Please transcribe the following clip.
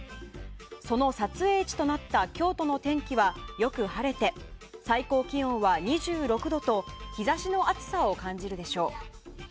その撮影地となった京都の天気はよく晴れて最高気温は２６度と日差しの暑さを感じるでしょう。